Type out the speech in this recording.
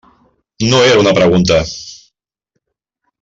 No era una pregunta.